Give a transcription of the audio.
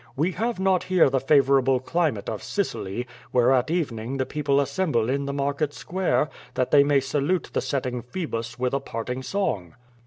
"We have not here the favorable climate of Sicily, where at even ing the people assemble in the market square, that they may salute the setting Phoebus with a parting song."